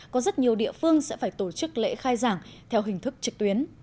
có rất nhiều địa phương sẽ phải tổ chức lễ khai giảng theo hình thức trực tuyến